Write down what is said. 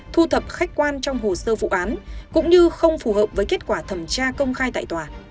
thu thập khách quan trong hồ sơ vụ án cũng như không phù hợp với kết quả thẩm tra công khai tại tòa